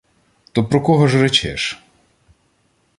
— То про кого ж речеш?